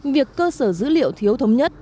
việc cơ sở dữ liệu thiếu thống nhất